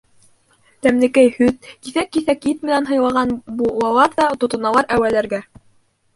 Тәмлекәй һөт, киҫәк-киҫәк ит менән һыйлаған булалар ҙа тотоналар әүәләргә...